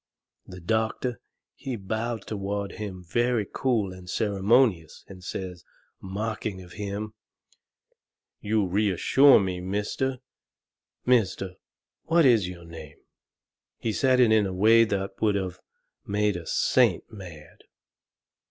The doctor, he bowed toward him very cool and ceremonious, and says, mocking of him: "You reassure me, Mister Mister What is your name?" He said it in a way that would of made a saint mad.